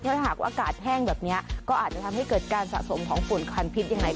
ถ้าหากว่าอากาศแห้งแบบนี้ก็อาจจะทำให้เกิดการสะสมของฝุ่นควันพิษยังไง